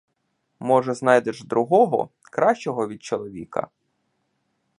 Може, знайдеш другого, кращого від чоловіка.